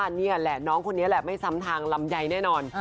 อันนี้แหละน้องคนนี้แหละไม่ซ้ำทางลำดังได้นอน